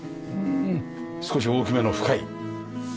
少し大きめの深いねえ。